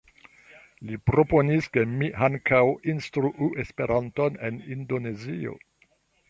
Li proponis ke mi ankaŭ instruu Esperanton en Indonezio.